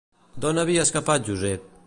D'on havia escapat Josep?